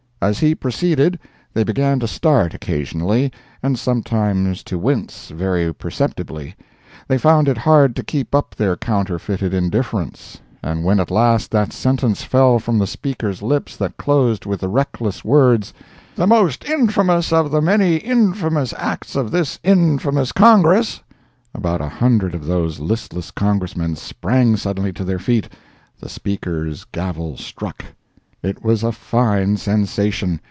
As he proceeded, they began to start occasionally, and sometimes to wince very perceptibly. They found it hard to keep up their counterfeited indifference. And when at last that sentence fell from the speaker's lips that closed with the reckless words: "The most infamous of the many infamous acts of this infamous Congress,"—about a hundred of those listless Congressmen sprang suddenly to their feet! The speaker's gavel struck. It was a fine sensation.